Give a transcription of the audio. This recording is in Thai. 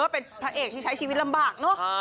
เป็นพระเอกที่ใช้ชีวิตลำบากเนอะ